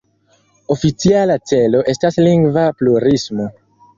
Oficiala celo estas lingva plurismo.